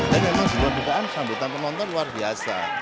tapi memang sebuah bukaan sambutan penonton luar biasa